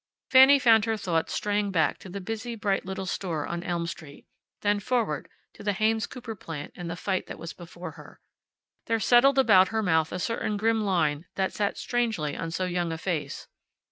Fanny found her thoughts straying back to the busy, bright little store on Elm Street, then forward, to the Haynes Cooper plant and the fight that was before her. There settled about her mouth a certain grim line that sat strangely on so young a face.